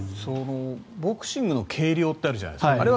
ボクシングの計量ってあるじゃないですか。